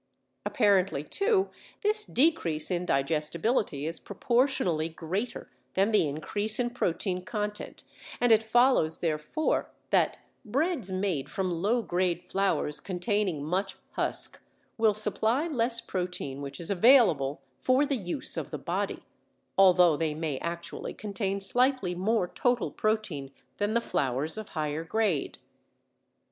Apparently, too, this decrease in digestibility is proportionally greater than the increase in protein content, and it follows therefore that breads made from low grade flours containing much husk will supply less protein which is available for the use of the body, although they may actually contain slightly more total protein than the flours of higher grade.